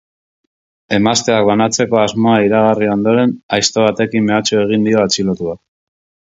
Emazteak banatzeko asmoa iragarri ondoren, aizto batekin mehatxu egin dio atxilotuak.